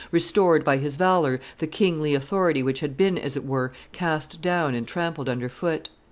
restored by his valor the kingly authority which had been as it were cast down and trampled under foot.